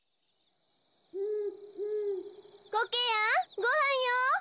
・コケヤンごはんよ。